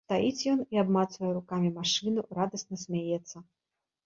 Стаіць ён і абмацвае рукамі машыну, радасна смяецца.